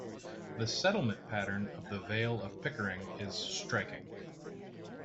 The settlement pattern of the Vale of Pickering is striking.